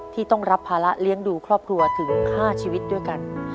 ที่ต้องรับภาระเลี้ยงดูครอบครัวถึง๕ชีวิตด้วยกัน